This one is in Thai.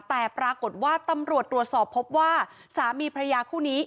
แต่ปรากฏว่าตำรวจตรวจสอบพบว่าสามีพระยาคู่นี้